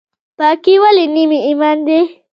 پاکي ولې نیم ایمان دی؟